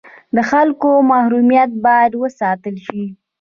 د خلکو محرمیت باید وساتل شي